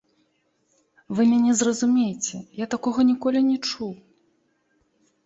Вы мяне зразумейце, я такога ніколі не чуў.